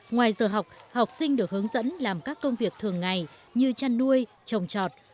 ngoài giờ học học sinh được hướng dẫn làm các công việc thường ngày như chăn nuôi trồng trọt